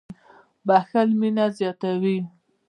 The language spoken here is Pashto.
• بښل مینه زیاتوي.